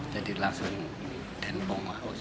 jadi langsung tentu